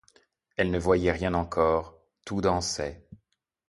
Elle ne voyait rien encore, tout dansait.